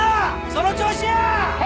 その調子や！